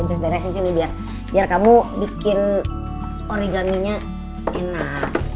ncus beresin sini biar kamu bikin origaminya enak